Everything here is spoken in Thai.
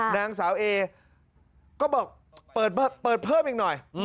นางสาวเอก็บอกเปิดเพิ่มอีกหน่อย